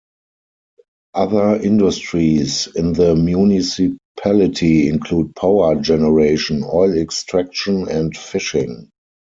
Other industries in the municipality include power generation, oil extraction and fishing.